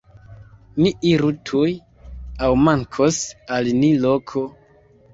Ni iru tuj, aŭ mankos al ni loko!